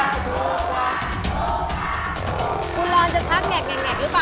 ร้อนจะชักแก่งหรือเปล่า